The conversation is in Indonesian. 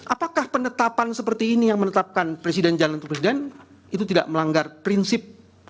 apakah penetapan seperti ini yang menetapkan presiden jalan ke presiden itu tidak melanggar prinsip